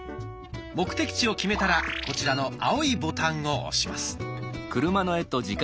目的地を決めたらこちらの青いボタンを押します。